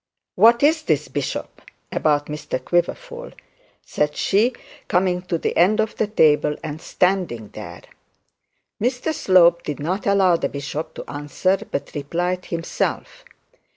'What is this, bishop, about Mr Quiverful?' said she, coming to the end of the table and standing there. Mr Slope did not allow the bishop to answer, but replied himself.